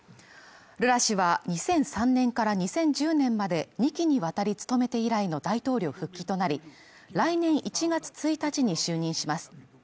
ルラ氏は２００３年から２０１０年まで２期にわたり務めて以来の大統領復帰となり来年１月１日に就任します